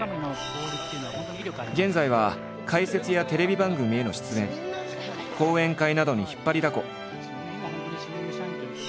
現在は解説やテレビ番組への出演講演会などに引っ張りだこ。